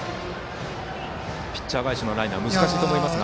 ピッチャー返しのライナー難しいと思いますが。